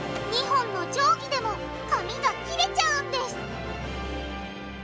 ２本の定規でも紙が切れちゃうんです！